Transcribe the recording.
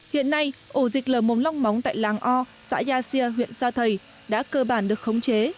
hiện nay ổ dịch lở mồm long móng tại làng o xã gia xia huyện sa thầy đã cơ bản được khống chế